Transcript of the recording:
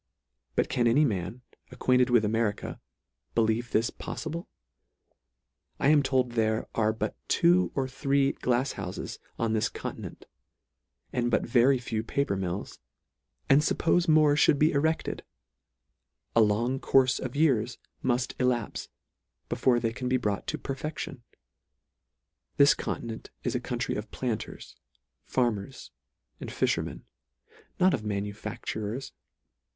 But can any man, acquainted with Ameri ca, believe this poffible ? I am told there are but two or three glafs houfes on this continent, and but very few paper mills ; and fuppofe more fhould be erected, a long courfe of years muff elapfe, before they can be brought to perfection. This continent is a country of planters, farmers, and fim ermen ; not of manufacturers.